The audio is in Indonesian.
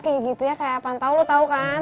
kayak gitu ya kayak apaan tau lo tau kan